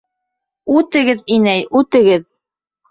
Үтегеҙ, инәй, Үтегеҙ...